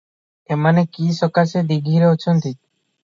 ଏମାନେ କି ସକାଶେ ଦୀଘିରେ ଅଛନ୍ତି?